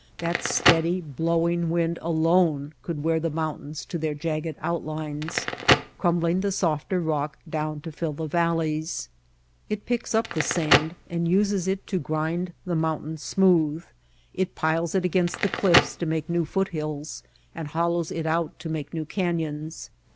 That steady blow ing wind alone could wear the mountains to their jagged outlines, crumbling the softer rock down to fill the valleys. It picks up the sand and uses it to grind the mountains smooth. It piles it against the cliffs to make new foothills and hol lows it out to make new canyons.